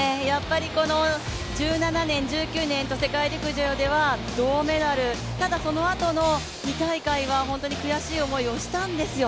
１７年、１９年と世界陸上では銅メダル、ただそのあとの２大会は悔しい思いをしたんですよ。